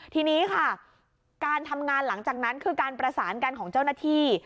ทีนี้ค่ะการทำงานหลังจากนั้นคือการประสานกันของเจ้าหน้าที่